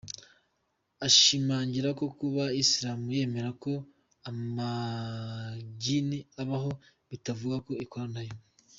Ashimanagira ko kuba Islam yemera ko amagini abaho, bitavuze ko ikorana nayo.